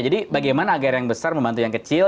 jadi bagaimana agar yang besar membantu yang kecil